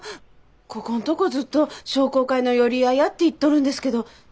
ここんとこずっと商工会の寄り合いやって言っとるんですけど違うの？